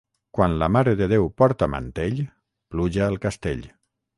Quan la Mare de Déu porta mantell, pluja al castell.